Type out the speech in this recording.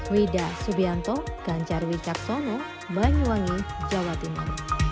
wida subianto ganjarwi caksono banyuwangi jawa timur